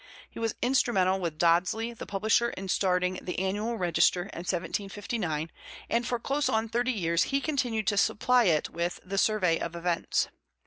He was instrumental with Dodsley the publisher in starting the Annual Register in 1759, and for close on thirty years he continued to supply it with the "Survey of Events."